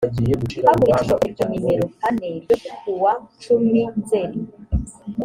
hakurikijwe itegeko nimero kane ryo kuwa cumi nzeri